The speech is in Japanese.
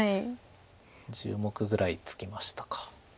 １０目ぐらいつきましたか。